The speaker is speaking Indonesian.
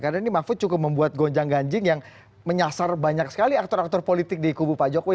karena ini mahfud cukup membuat gonjang ganjing yang menyasar banyak sekali aktor aktor politik di kubu pak jokowi